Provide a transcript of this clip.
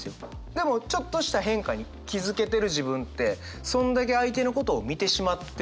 でもちょっとした変化に気付けてる自分ってそんだけ相手のことを見てしまってるな。